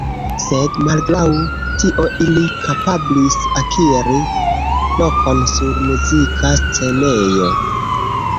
Sed malgraŭ tio ili kapablis akiri lokon sur muzika scenejo.